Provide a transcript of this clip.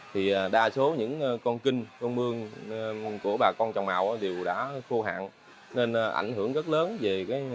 thì đa số những con kinh con mương của bà con trồng màu đều đã khô hạn nên ảnh hưởng rất lớn về